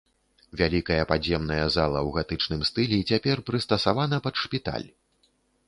Вялікая падземная зала ў гатычным стылі цяпер прыстасавана пад шпіталь.